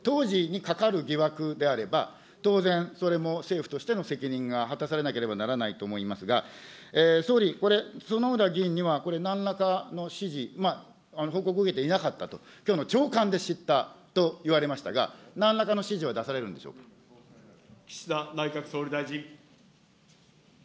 当時にかかる疑惑であれば、当然、それも政府としての責任が果たされなければならないと思いますが、総理、これ、薗浦議員にはこれ、なんらかの指示、報告を受けていなかったと、きょうの朝刊で知ったと言われましたが、なんらかの指示は出され岸田内閣総理大臣。